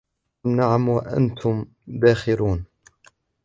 قل نعم وأنتم داخرون